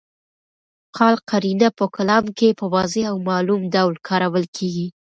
قال قرینه په کلام کي په واضح او معلوم ډول کارول کیږي.